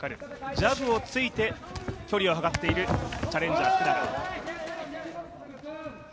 ジャブを突いて距離を測っているチャレンジャー、福永。